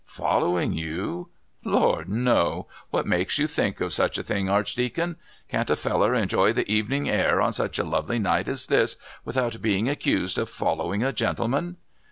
"Following you? Lord, no! What makes you think of such a thing, Archdeacon? Can't a feller enjoy the evenin' air on such a lovely night as this without being accused of following a gentleman?"